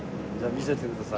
見せてください。